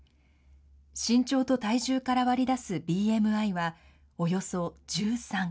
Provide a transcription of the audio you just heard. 身長と体重から割り出すＢＭＩはおよそ１３。